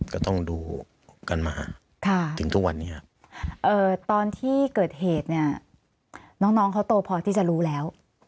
ก็ต้องดูกันมาจนทุกวันนี้ครับตอนที่เกิดเหตุเนี่ยน้องเขาโตพอที่จะรู้แล้ว